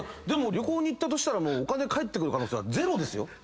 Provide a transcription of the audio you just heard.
でも旅行に行ったとしたらお金返ってくる可能性はゼロですよ。